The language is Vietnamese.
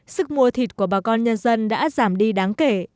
sức mua thịt của bà con nhân dân đã giảm đi đáng kể